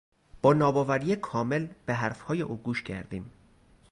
با ناباوری کامل به حرفهای او گوش کردیم.